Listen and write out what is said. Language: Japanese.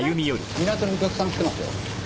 港にお客さん来てますよ。